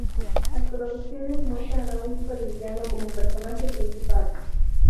Las producciones muestran a un supervillano como personaje principal.